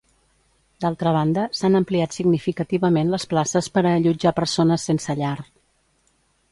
D'altra banda, s'han ampliat significativament les places per a allotjar persones sense llar.